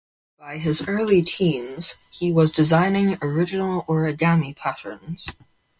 By his early teens, he was designing original origami patterns.